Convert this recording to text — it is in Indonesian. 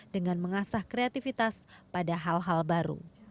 dengan mengasah kreativitas pada hal hal baru